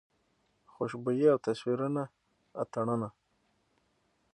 خوشبويي او تصویرونه اتڼونه